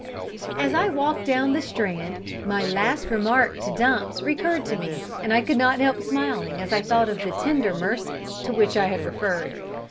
As I walked down the Strand my last remark to Dumps recurred to me, and I could not help smiling as I thought of the "tender mercies" to which I had referred.